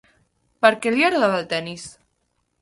Per què li agradava el tenis?